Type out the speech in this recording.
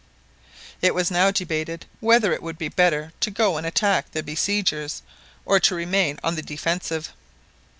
It was now debated whether it would be better to go and attack the besiegers, or to remain on the defensive.